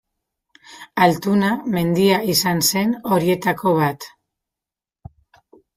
Altuna mendia izan zen horietako bat.